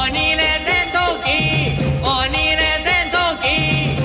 อ๋อนี่แหละเซ็นโซกี้อ๋อนี่แหละเซ็นโซกี้